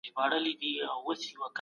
ایا تا د سید قطب کتابونه لوستي دي؟